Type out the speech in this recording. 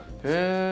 へえ！